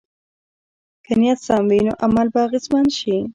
که نیت سم وي، نو عمل به اغېزمن شي.